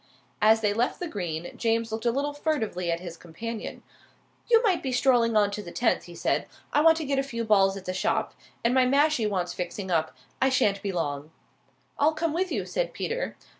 As they left the green James looked a little furtively at his companion. "You might be strolling on to the tenth," he said. "I want to get a few balls at the shop. And my mashie wants fixing up. I sha'n't be long." "I'll come with you," said Peter.